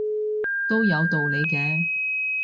都有道理嘅